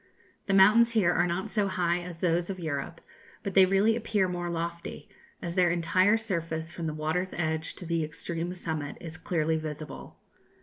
The mountains here are not so high as those of Europe, but they really appear more lofty, as their entire surface, from the water's edge to the extreme summit, is clearly visible.